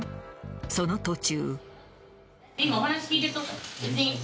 その途中。